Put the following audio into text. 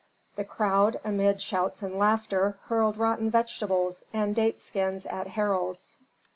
The crowd, amid shouts and laughter, hurled rotten vegetables and date skins at heralds.